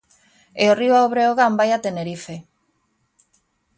E o Río Breogán vai a Tenerife.